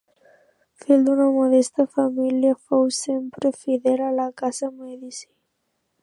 Fill d'una modesta família, fou sempre fidel a la casa Mèdici.